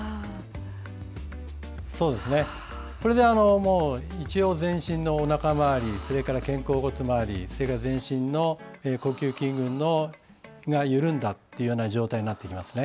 これで一応全身のおなか周りそれから、肩甲骨回り全身の呼吸筋群が緩んだという状態になってきますね。